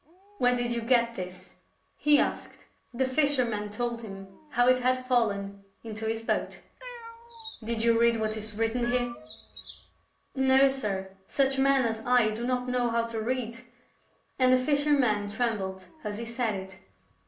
'' Where did you get this ?" he asked. The fisherman told him how it had fallen into his boat. THE MAN IN THE IRON MASK 135 " Did you read what is written here ?"" No, sir. Such men as I do not know, how to read ;" and the fisherman trembled as he said it.